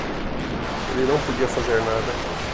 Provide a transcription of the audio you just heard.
Ele não podia fazer nada